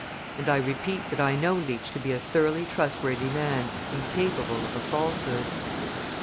{181b} And I repeat that I know Leach to be a thoroughly trustworthy man incapable of a falsehood.